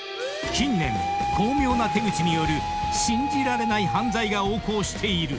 ［近年巧妙な手口による信じられない犯罪が横行している。